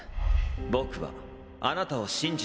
僕はあなたを信じていません。